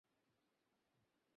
Hello, Andy.